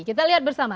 kita lihat bersama